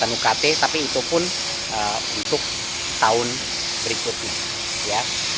bukan ukt tapi itu pun untuk tahun berikutnya ya